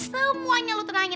semuanya lo tenangin